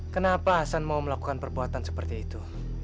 kenapa hasan mau melakukan perbuatan seperti itu